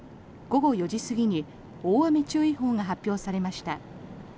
午後４時過ぎに大雨注意報が発表されました。